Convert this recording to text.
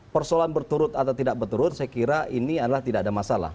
persoalan berturut atau tidak berturut saya kira ini adalah tidak ada masalah